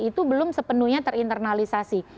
itu belum sepenuhnya terinternalisasi